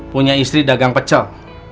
punya istri dagang pecel